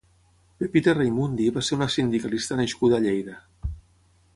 Pepita Reimundi va ser una sindicalista nascuda a Lleida.